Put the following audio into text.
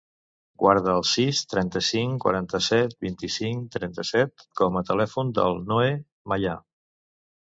Guarda el sis, trenta-cinc, quaranta-set, vint-i-cinc, trenta-set com a telèfon del Noè Maya.